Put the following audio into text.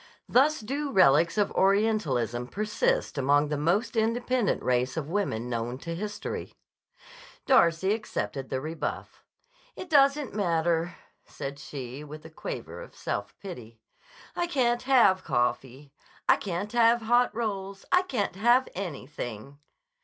Thus do relics of Orientalism persist among the most independent race of women known to history. Darcy accepted the rebuff. "It doesn't matter," said she, with a quaver of self pity. "I can't have coffee. I can't have hot rolls. I can't have anything."